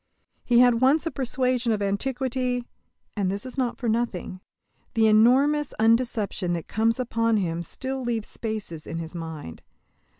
He had once a persuasion of Antiquity. And this is not for nothing. The enormous undeception that comes upon him still leaves spaces in his mind.